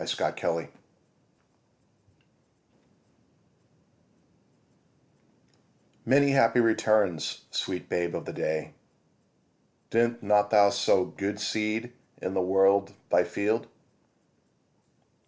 CHRISTMAS EVE, 1917 Many happy returns, sweet Babe, of the day! Didst not thou sow good seed in the world, thy field?